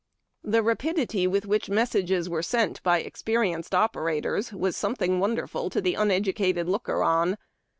The rapidity with which messages were sent by experi enced operators was something w^onderful to the uneducated looker on.